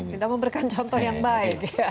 tidak memberikan contoh yang baik